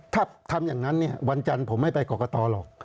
ถ้าทำอย่างนั้นเนี่ยวันจันทร์ผมไม่ไปกรกตหรอก